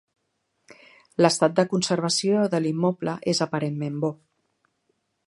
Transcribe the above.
L'estat de conservació de l'immoble és aparentment bo.